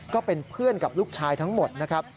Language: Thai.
ก็เป็นเพื่อนกับลูกชายทั้งหมดนะครับ